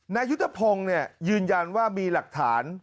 นายุทธพงศ์ยืนยันว่ามีหลักฐาน